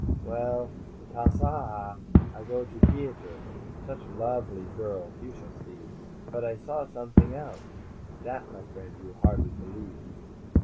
_ "Well, in Tasaaha I go to t'eater. Such lovely girls! You shall see. But I saw somet'ing else. That, my friend, you hardly believe!"